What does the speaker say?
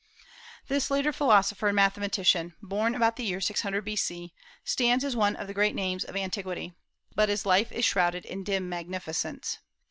This later philosopher and mathematician, born about the year 600 B.C., stands as one of the great names of antiquity; but his life is shrouded in dim magnificence.